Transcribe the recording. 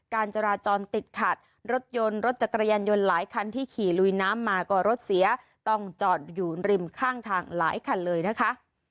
การจราจรติดขัดรถยนต์รถจักรยานยนต์หลายคันที่ขี่ลุยน้ำมาก็รถเสียต้องจอดอยู่ริมข้างทางหลายคันเลยนะคะ